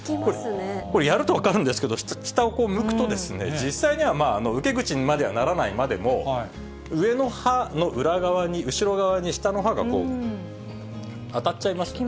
これやると分かるんですけど、下を向くと、実際には受け口にまではならないまでも、上の歯の裏側に後ろ側に下の歯が当たっちゃいますよね。